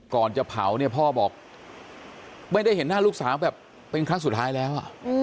ก่อนจะเผาเนี่ยพ่อบอกไม่ได้เห็นหน้าลูกสาวแบบเป็นครั้งสุดท้ายแล้ว